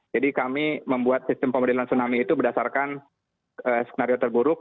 jadi kami membuat sistem pembedelan tsunami itu berdasarkan scenario terburuk